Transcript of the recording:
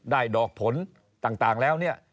ดอกผลต่างแล้วเนี่ย